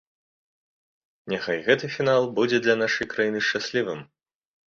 Няхай гэты фінал будзе для нашай краіны шчаслівым!